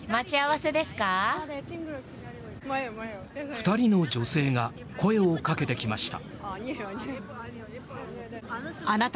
２人の女性が声をかけてきました。